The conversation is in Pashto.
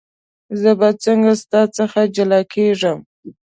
زه به څنګه ستا څخه جلا کېږم.